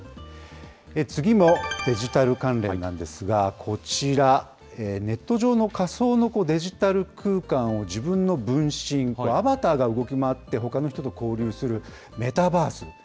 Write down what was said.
次もデジタル関連なんですが、こちら、ネット上の仮想のデジタル空間を自分の分身、アバターが動き回って、ほかの人と交流するメタバース。